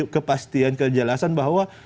kepastian kejelasan bahwa